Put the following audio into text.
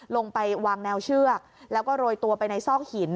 ลงไปวางแนวเชือกแล้วก็โรยตัวไปในซอกหิน